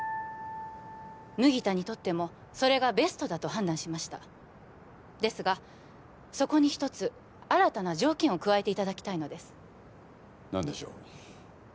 麦田にとってもそれがベストだと判断しましたですがそこに一つ新たな条件を加えていただきたいのです何でしょう？